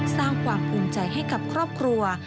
สร้างความภูมิใจให้กับครอบครัว